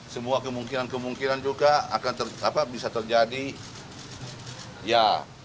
semua kemungkinan kemungkinan juga akan bisa terjadi ya